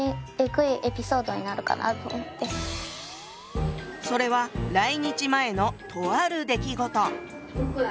それは来日前のとある出来事。